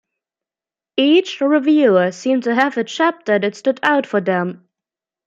Each reviewer seemed to have a chapter that stood out for them.